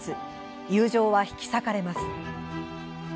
友情は引き裂かれます。